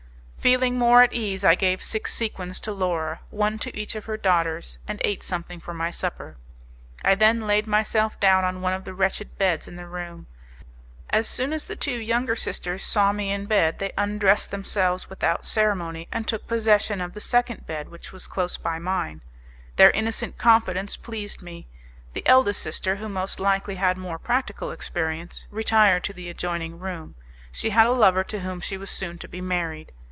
Feeling more at ease I gave six sequins to Laura, one to each of her daughters, and ate something for my supper: I then laid myself down on one of the wretched beds in the room. As soon as the two younger sisters saw me in bed, they undressed themselves without ceremony, and took possession of the second bed which was close by mine. Their innocent confidence pleased me. The eldest sister, who most likely had more practical experience, retired to the adjoining room; she had a lover to whom she was soon to be married.